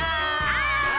あ！